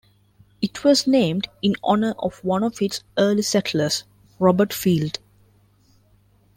It was named in honor of one of its early settlers, Robert Field.